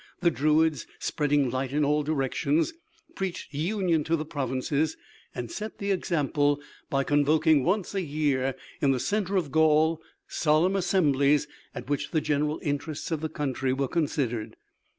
The druids, spreading light in all directions, preached union to the provinces, and set the example by convoking once a year in the center of Gaul solemn assemblies, at which the general interests of the country were considered.